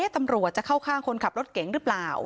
ตำรวจจะเข้าข้างคนขับรถเก๋งหรือเปล่า